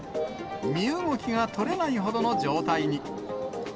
身動きが取れないほどの状態に。